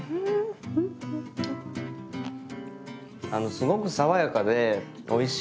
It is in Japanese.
すごく爽やかでおいしいです。